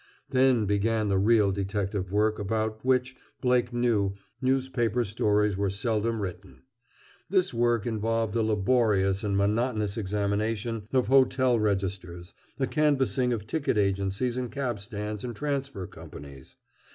Then began the real detective work about which, Blake knew, newspaper stories were seldom written. This work involved a laborious and monotonous examination of hotel registers, a canvassing of ticket agencies and cab stands and transfer companies.